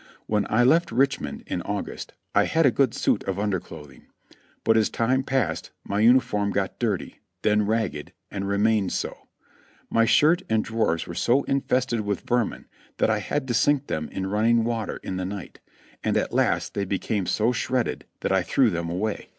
When I left Richmond in August I had a good suit of underclothing, but as time passed my uniform got dirty, then ragged, and remained so ; my shirt and drawers were so infested with vermin that I had to sink them in running water in the night, and at last they became so shredded that I threw them away.